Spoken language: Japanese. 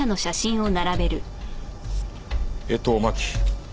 江藤真紀。